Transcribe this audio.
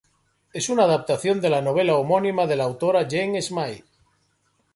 Es una adaptación de la novela homónima de la autora Jane Smiley.